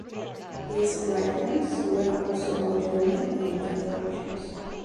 His writings were also about women and their functions.